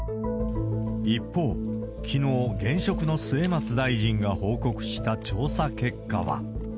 一方、きのう、現職の末松大臣が報告した調査結果は。